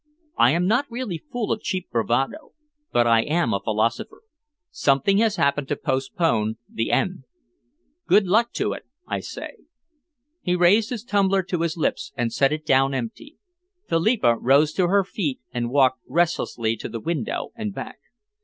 I am not really full of cheap bravado, but I am a philosopher. Something has happened to postpone the end. Good luck to it, I say!" He raised his tumbler to his lips and set it down empty. Philippa rose to her feet and walked restlessly to the window and back.